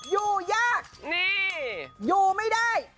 อยู่ยากนี่อยู่ไม่ได้